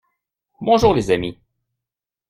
Bonjour les amis.